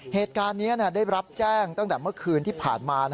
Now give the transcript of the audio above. เหตุการณ์นี้ได้รับแจ้งตั้งแต่เมื่อคืนที่ผ่านมา